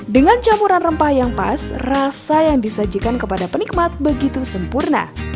dengan campuran rempah yang pas rasa yang disajikan kepada penikmat begitu sempurna